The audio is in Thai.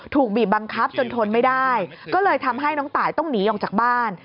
ถูกบีบบังคับจนทนไม่ได้ก็เลยทำให้น้องตายต้องหนีออกจากบ้าน